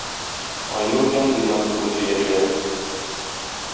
Айнур белән Илназ кызы сөйләшәләр.